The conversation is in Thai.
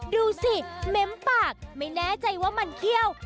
ดูสิเม้มปากไม่แน่ใจว่ามันเขี้ยว